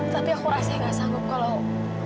tapi aku rasanya nggak sanggup kalau